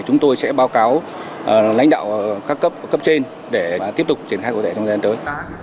chúng tôi sẽ báo cáo lãnh đạo các cấp trên để tiếp tục triển khai cơ thể trong gian tới